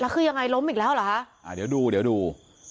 แล้วคือยังไงล้มอีกแล้วเหรอคะอ่าเดี๋ยวดูเดี๋ยวดู